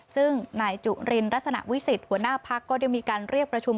ซึ่งนายจุลินรัศนาวิสิตหัวหน้าพักก็เดี๋ยวมีการเรียกประชุม